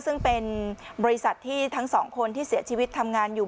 ซึ่งเป็นบริษัทที่ทั้งสองคนที่เสียชีวิตทำงานอยู่